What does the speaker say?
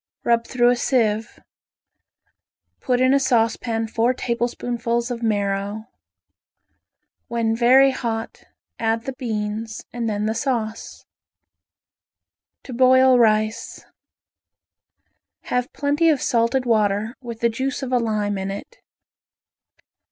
Rub through a sieve. Put in a saucepan four tablespoonfuls of marrow. When very hot add the beans and then the sauce. To Boil Rice Have plenty of salted water, with the juice of a lime in it.